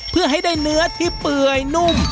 เพื่อให้ได้เนื้อที่เปื่อยนุ่ม